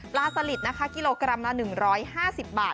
สลิดนะคะกิโลกรัมละ๑๕๐บาท